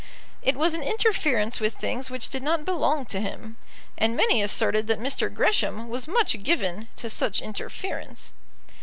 It was an interference with things which did not belong to him. And many asserted that Mr. Gresham was much given to such interference.